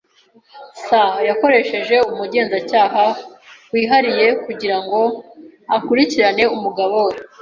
[S] Yakoresheje umugenzacyaha wihariye kugira ngo akurikirane umugabo we.